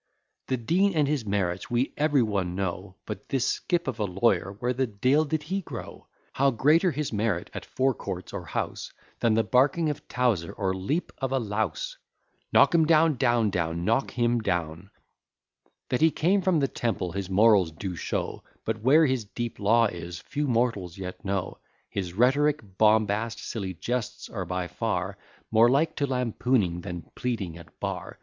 The Dean and his merits we every one know, But this skip of a lawyer, where the de'il did he grow? How greater his merit at Four Courts or House, Than the barking of Towzer, or leap of a louse! Knock him down, etc. That he came from the Temple, his morals do show; But where his deep law is, few mortals yet know: His rhetoric, bombast, silly jests, are by far More like to lampooning, than pleading at bar.